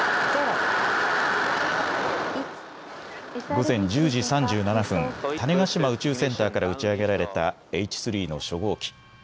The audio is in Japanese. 午前１０時３７分、種子島宇宙センターから打ち上げられたＨ３の初号機。